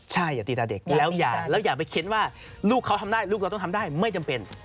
ใช่อย่าตีตาเด็กแล้วอย่าไปเค้นว่าลูกเขาทำได้ลูกเราต้องทำได้ไม่จำเป็น